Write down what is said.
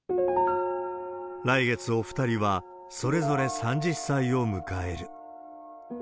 来月、お２人はそれぞれ３０歳を迎える。